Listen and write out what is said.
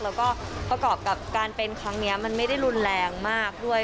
แล้วก็ประกอบกับการเป็นครั้งนี้มันไม่ได้รุนแรงมากด้วย